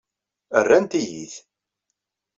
Rrant-iyi-t.